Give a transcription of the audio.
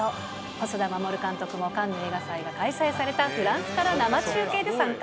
細田守監督もカンヌ映画祭が開催されたフランスから生中継で参加。